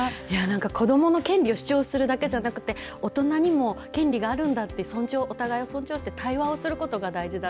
子どもの権利を主張するだけじゃなくて大人にも権利があるんだって尊重、お互いを尊重しつつ対話することが大事だ